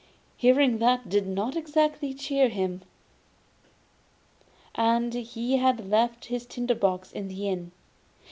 Hearing that did not exactly cheer him, and he had left his tinder box in the inn.